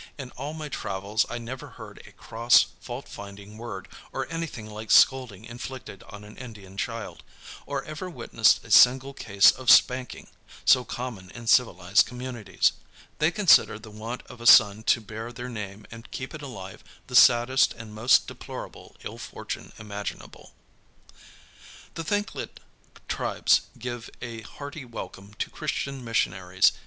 In all my travels I never heard a cross, fault finding word, or anything like scolding inflicted on an Indian child, or ever witnessed a single case of spanking, so common in civilized communities. They consider the want of a son to bear their name and keep it alive the saddest and most deplorable ill fortune imaginable. The Thlinkit tribes give a hearty welcome to Christian missionaries.